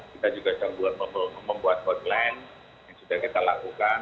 kita juga jauh membuat kotlen yang sudah kita lakukan